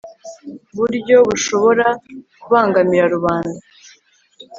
buryo bushobora kubangamira rubanda